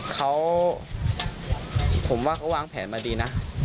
เขาผมว่าเขาวางแผนมาดีนะ